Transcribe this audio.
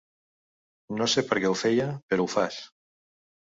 No sé per què ho feia, però ho fas.